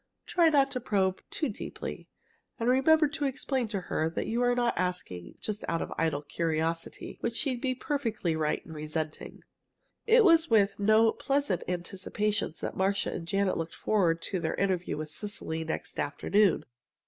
Try not to probe too deeply. And remember to explain to her that you are not asking just out of idle curiosity, which she'd be perfectly right in resenting." It was with no very pleasant anticipations that Marcia and Janet looked forward to their interview with Cecily next afternoon.